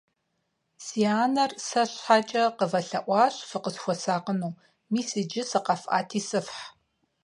Си анэр сэр щхьэкӀэ къывэлъэӀуащ, фыкъысхуэсакъыну. Мис иджы сыкъэфӀэти сыфхь.